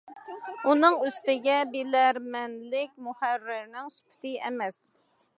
ئۇنىڭ ئۈستىگە، بىلەرمەنلىك مۇھەررىرنىڭ سۈپىتى ئەمەس.